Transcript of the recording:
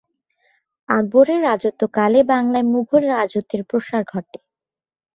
আকবরের রাজত্বকালে বাংলায় মুগল রাজত্বের প্রসার ঘটে।